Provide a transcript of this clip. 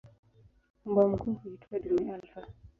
Mbwa mkuu huitwa "dume alfa".